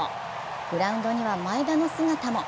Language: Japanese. グラウンドには前田の姿も。